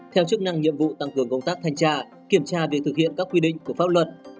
theo chức năng nhiệm vụ tăng cường công tác thanh tra kiểm tra việc thực hiện các quy định của pháp luật